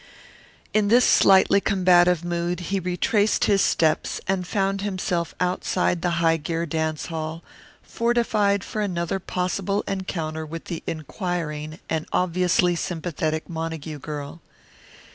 In this slightly combative mood he retraced his steps and found himself outside the High Gear Dance Hall, fortified for another possible encounter with the inquiring and obviously sympathetic Montague girl.